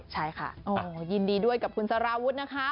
ใช่ค่ะยินดีด้วยกับคุณสารวุฒินะคะ